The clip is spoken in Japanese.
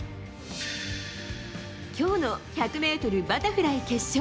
今日の１００ｍバタフライ決勝。